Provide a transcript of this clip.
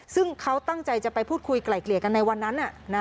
ซึ่งเขาตั้งใจจะไปพูดคุยไกล่เกลี่ยกันในวันนั้น